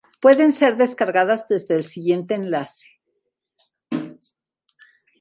Pueden ser descargadas desde el siguiente enlace.